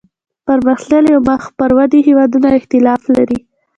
پرمختللي او مخ پر ودې هیوادونه اختلاف لري